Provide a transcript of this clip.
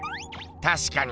たしかに。